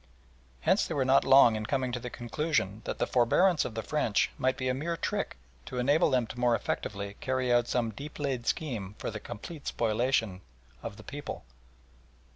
Hence they were not long in coming to the conclusion that the forbearance of the French might be a mere trick to enable them to more effectually carry out some deep laid scheme for the complete spoliation of the people.